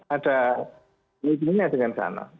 ada jadinya dengan sana